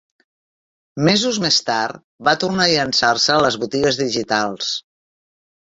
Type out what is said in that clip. Mesos més tard, va tornar a llançar-se a les botigues digitals.